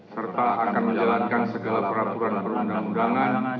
serta akan menjalankan segala peraturan perundang undangan